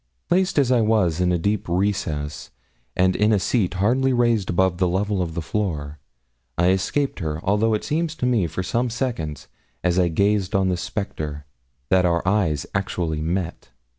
Placed as I was in a deep recess, and in a seat hardly raised above the level of the floor, I escaped her, although it seemed to me for some seconds, as I gazed on this spectre, that our eyes actually met.